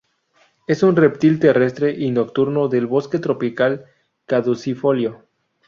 Es un reptil terrestre y nocturno del bosque tropical caducifolio.